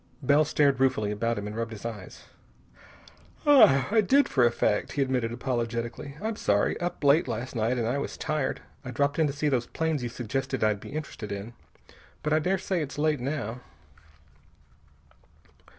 Bell stared ruefully about him and rubbed his eyes. "I did, for a fact," he admitted apologetically. "I'm sorry. Up late last night, and I was tired. I dropped in to see those planes you suggested I'd be interested in. But I daresay it's late, now."